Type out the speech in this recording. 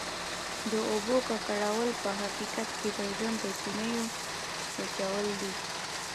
د اوبو ککړول په حقیقت کې د ژوند د چینو وچول دي.